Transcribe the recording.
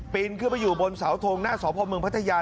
นขึ้นไปอยู่บนเสาทงหน้าสพเมืองพัทยา